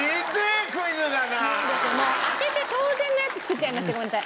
当てて当然のやつ作っちゃいましてごめんなさい。